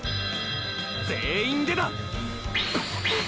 全員でだ！！